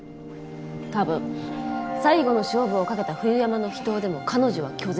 多分最後の勝負をかけた冬山の秘湯でも彼女は拒絶した。